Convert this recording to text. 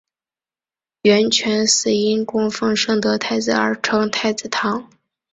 圆泉寺因供奉圣德太子而称太子堂。